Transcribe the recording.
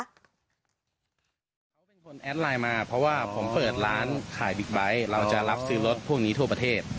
เขาเป็นคนแอดไลน์มาเพราะว่าผมเปิดร้านขายบิ๊กไบท์เราจะรับซื้อรถพวกนี้ทั่วประเทศ